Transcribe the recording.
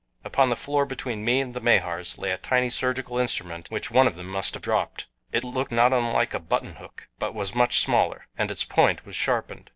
Upon the floor between me and the Mahars lay a tiny surgical instrument which one of them must have dropped. It looked not unlike a button hook, but was much smaller, and its point was sharpened.